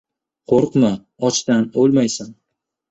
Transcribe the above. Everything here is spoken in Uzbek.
— Qo‘rqma, ochdan o‘lmaysan.